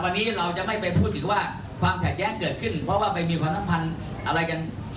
วันนี้เราจะไม่ไปพูดถึงว่าความขัดแย้งเกิดขึ้นเพราะว่าไปมีความสัมพันธ์อะไรกัน